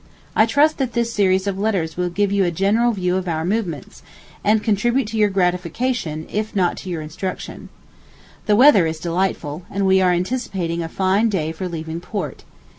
I trust that this series of letters will give you a general view of our movements, and contribute to your gratification, if not to your instruction. The weather is delightful, and we are anticipating a fine day for leaving port.